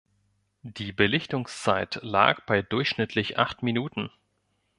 Die Belichtungszeit lag bei durchschnittlich acht Minuten.